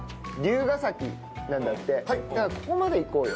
だからここまで行こうよ。